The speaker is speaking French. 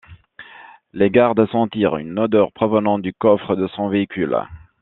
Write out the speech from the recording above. Les gardes sentirent une odeur provenant du coffre de son véhicule.